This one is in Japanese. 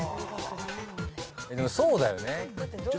そうだよね。